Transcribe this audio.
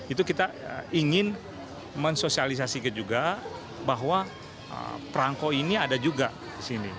itu kita ingin mensosialisasikan juga bahwa perangko ini ada juga di sini